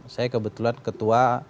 saya kebetulan ketua